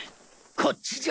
こっちじゃ。